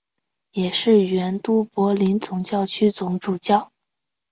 也是原都柏林总教区总主教。